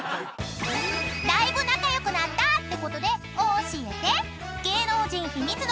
［だいぶ仲良くなったってことで教えて！］